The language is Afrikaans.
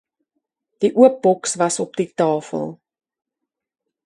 Die oop boks was op die tafel.